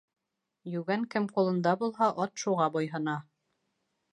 Йүгән кем ҡулында булһа, ат шуға буйһона.